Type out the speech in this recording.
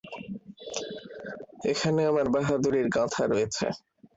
এখানে আমার বাহাদুরির গাঁথা রয়েছে।